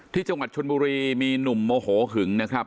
ที่จังหวัดชนบุรีมีหนุ่มโมโหหึงนะครับ